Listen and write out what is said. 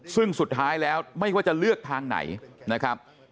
ซึ่งสุดท้ายแล้วไม่ว่าจะเลือกทางไหนนะครับ